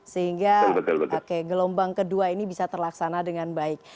sehingga gelombang kedua ini bisa terlaksana dengan baik